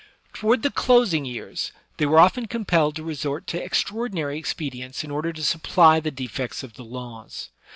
Toward the closing years, they were often compelled to resort to extraordinary expedients in order to supply the defects of the laws.